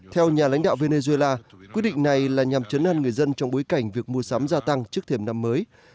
theo nhà lãnh đạo venezuela quyết định này là nhằm chấn an người dân trong bối cảnh việc mua sắm gia tăng trước thềm năm mới